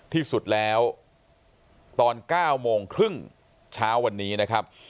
ที่สุดแล้วตอน๙โมงครึ่งเช้าวันนี้นะครับ